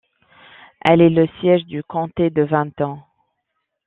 Elle est le siège du comté de Vinton.